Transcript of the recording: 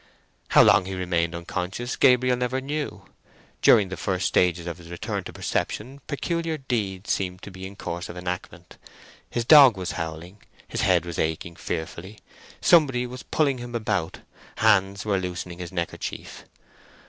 How long he remained unconscious Gabriel never knew. During the first stages of his return to perception peculiar deeds seemed to be in course of enactment. His dog was howling, his head was aching fearfully—somebody was pulling him about, hands were loosening his neckerchief.